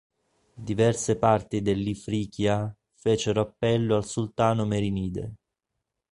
Diverse parti dell'Ifriqiya fecero appello al sultano merinide.